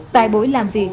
tại buổi làm việc